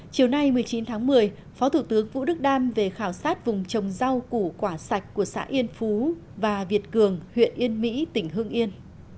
chiều nay một mươi chín tháng một mươi phó thủ tướng vũ đức đam về khảo sát vùng trồng rau củ quả sạch của xã yên phú và việt cường huyện yên mỹ tỉnh hương yên